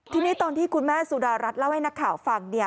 ทีนี้ตอนที่คุณแม่สุดารัฐเล่าให้นักข่าวฟังเนี่ย